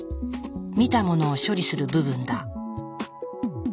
見たものを処理する部分だ。